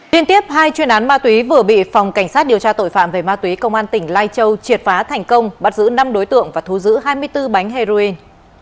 liên tiếp hai chuyên án ma túy vừa bị phòng cảnh sát điều tra tội phạm về ma túy công an tỉnh lai châu triệt phá thành công bắt giữ năm đối tượng và thu giữ hai mươi bốn bánh heroin